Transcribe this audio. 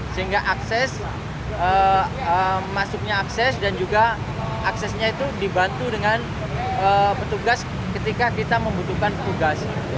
sehingga akses masuknya akses dan juga aksesnya itu dibantu dengan petugas ketika kita membutuhkan tugas